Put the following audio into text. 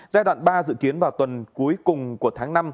giai đoạn ba dự kiến vào tuần cuối cùng của tháng năm